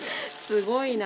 すごいね。